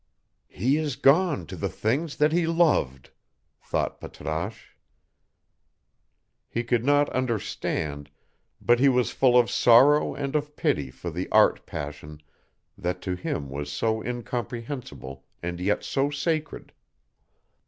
"He is gone to the things that he loved," thought Patrasche: he could not understand, but he was full of sorrow and of pity for the art passion that to him was so incomprehensible and yet so sacred.